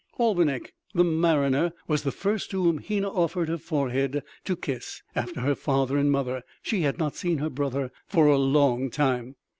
Albinik the mariner was the first to whom Hena offered her forehead to kiss after her father and mother; she had not seen her brother for a long time.